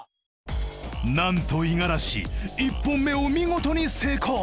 なんと五十嵐１本目を見事に成功！